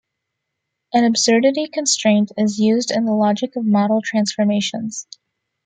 An absurdity constraint is used in the logic of model transformations.